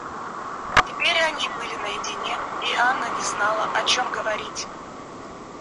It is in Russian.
Теперь они были наедине, и Анна не знала, о чем говорить.